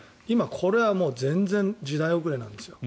これは全然時代遅れなんですよ。